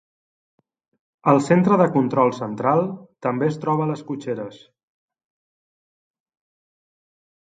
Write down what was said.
El Centre de Control Central també es troba a les cotxeres.